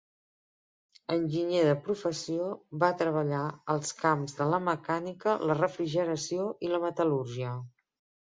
Enginyer de professió, va treballar els camps de la mecànica, la refrigeració i la metal·lúrgia.